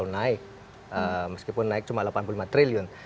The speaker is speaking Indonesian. karena kita tidak akan selalu naik meskipun naik cuma delapan puluh lima triliun